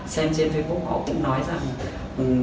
xem trên facebook họ cũng nói rằng